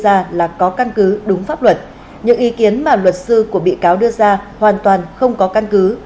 ngoài ra là có căn cứ đúng pháp luật những ý kiến mà luật sư của bị cáo đưa ra hoàn toàn không có căn cứ